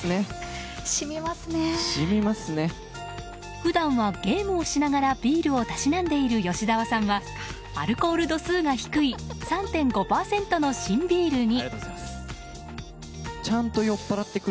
普段はゲームをしながらビールをたしなんでいる吉沢さんはアルコール度数が低い３．５％の新ビールに。